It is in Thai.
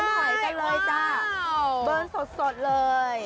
เบิร์นหอยกันเลยจ้ะเบิร์นสดเลย